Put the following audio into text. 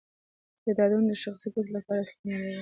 استعدادونه د شخصي ګټو لپاره استعمالوي.